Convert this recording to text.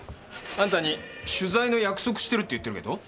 あんたに取材の約束してるって言ってるけど。